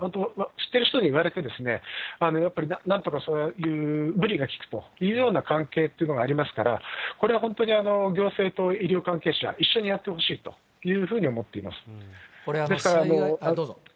知ってる人に言われて、やっぱりなんとかそういう無理がきくというのような関係っていうのがありますから、これは本当に行政と医療関係者、一緒にやってほしいというふうに思っています。